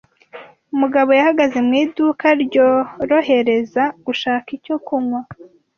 Mugabo yahagaze mu iduka ryorohereza gushaka icyo kunywa.